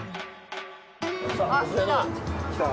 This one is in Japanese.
あっきた。